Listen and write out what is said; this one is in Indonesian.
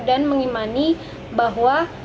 dan mengimani bahwa